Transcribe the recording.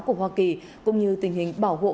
của hoa kỳ cũng như tình hình bảo hộ